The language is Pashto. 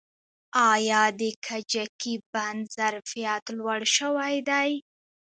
آیا د کجکي بند ظرفیت لوړ شوی دی؟